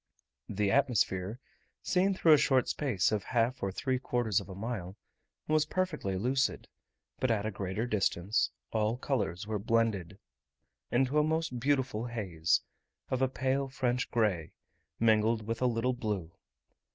The atmosphere, seen through a short space of half or three quarters of a mile, was perfectly lucid, but at a greater distance all colours were blended into a most beautiful haze, of a pale French grey, mingled with a little blue.